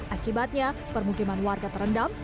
akibatnya permukiman warga terendam